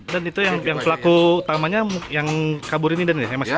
dan itu yang pelaku utamanya yang kabur ini ya